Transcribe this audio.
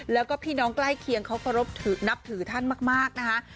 แล้วก็พี่น้องใกล้เคียงเขาเคารพนับถือท่านมากนะคะ